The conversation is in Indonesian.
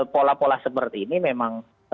pola pola seperti ini memang